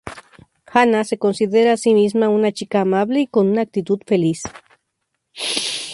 Jana se considera a sí misma una chica amable y con una actitud feliz.